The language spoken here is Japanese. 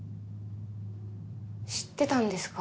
知ってたんですか？